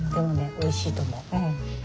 でもねおいしいと思う。